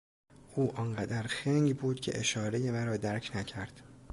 او آنقدر خنگ بود که اشارهی مرا درک نکرد.